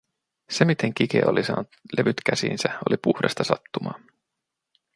Se, miten Quique oli saanut levyt käsiinsä, oli puhdasta sattumaa.